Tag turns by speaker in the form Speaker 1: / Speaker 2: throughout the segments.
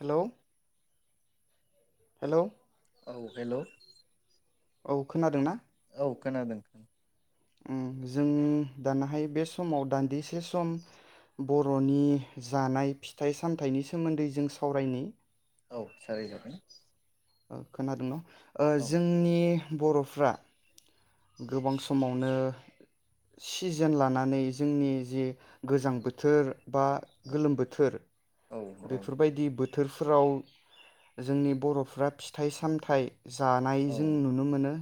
Speaker 1: हेल' hello
Speaker 2: औ hello
Speaker 1: औ खोनादों ना?
Speaker 2: खोनादों।
Speaker 1: ओम जों दानाहाय बे समाव दान्दिसे सम बर'नि जानाय फिथाइ-सामथाइनि सोमोन्दै जों सावरायनि।
Speaker 2: औ सावराय जागोन।
Speaker 1: ओ खोनादोंना? ओ जोंनि बर'फ्रा गोबां समावनो सिजोन लानानै जोंनि जि गोजां बोथोर बा गोलोम बोथोर
Speaker 2: औ औ
Speaker 1: बेफोरबायदि बोथोरफोराव जोंनि बर'फ्रा फिथाइ-सामथाइ जानाय
Speaker 2: औ
Speaker 1: जों नुनो मोनो।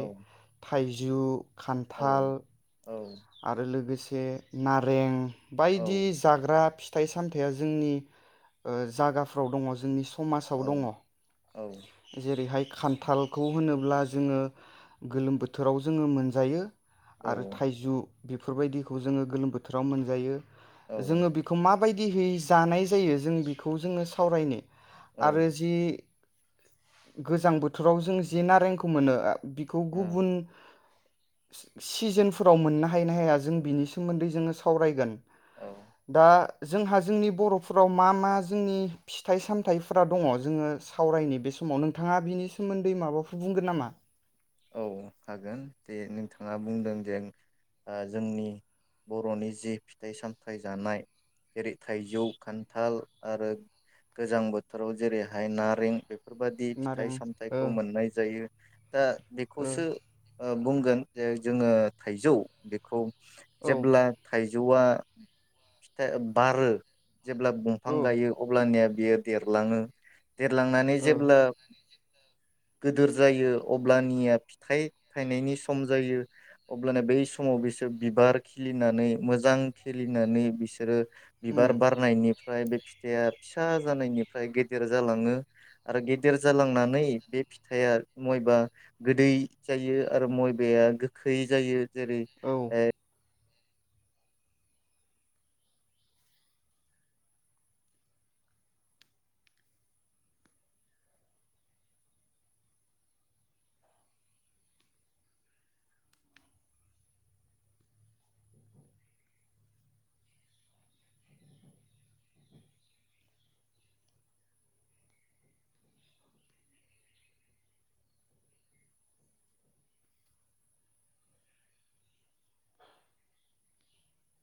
Speaker 2: औ
Speaker 1: थाइजौ
Speaker 2: औ
Speaker 1: खान्थाल
Speaker 2: - औ
Speaker 1: आरो लोगोसे नारें
Speaker 2: औ
Speaker 1: बायदि जाग्रा फि फिथाइ-सामथाइया जोंनि जागाफ्राव दङ जोंनि समाजाव दङ। जेरैहाय खान्थालखौ होनोब्ला जोङो गोलोम बोथोराव जोङो मोनजायो।
Speaker 2: औ
Speaker 1: आरो थाइजौ बेफोरबायदिखौ जोङो गोलोम बोथोराव मोनजायो। जोङो बेखौ मा बायदिहै जानाय जायो जों बेखौ जोङो सावरायनो। आरो जि गोजां बोथोराव जों जे नारेंखौ मोनो बिखौ गुबुन सि-सिजोनफोराव मोननो हायोना हाया जों बिनि सोमोन्दै जोङो सावरायगोन।
Speaker 2: औ
Speaker 1: दा जोंहा जोंनि बर'फोराव मा मा जोंनि फिथाइ- सामथाइफोरा दङ जोङो सावरायनि। बे समाव नोंथाङा बिनि सोमोन्दै माबाफोर बुंगोन नामा?
Speaker 2: औ हागोन दे नोंथाङा बुंदों दे जोंनि बर'नि जे फिथाइ-सामथायाइ जानाय जेरै थाइजौ, खान्थाल आरो गोजां बोथोराव जेरैहाय नारें बे बेफोरबादि फिथाइ-
Speaker 1: नारें ओ
Speaker 2: सामथाइखौ मोननाय जायो। दा खौसो ओ बुं बुंगोन जे जोङो थाइजौ बेखौ
Speaker 1: ओ
Speaker 2: जेब्ला
Speaker 1: औ
Speaker 2: थाय जौवआ फिथाइ बारो जेब्ला दंफां
Speaker 1: ओ
Speaker 2: गायो अब्लानिया बियो देरलाङो देरलांनानै
Speaker 1: ओ
Speaker 2: जेब्ला गिदोर जायो अ ब्लानिया फिथाइ थायनायनि सम जायो अब्लानो बै समाव बिसोर बिबार खिलिनानै मोजां खिलिनानै बिसोरो
Speaker 1: उम
Speaker 2: बिबार बारनायनिफ्राय बे फिथाइया फिसा जानायनिफ्राय गेदेर जालाङो आरो गेदेर जालांनानै बे फिथाइया मयबा गोदै जायो आरो मयबाया गोखै जायो जेरै
Speaker 1: औ
Speaker 2: ओ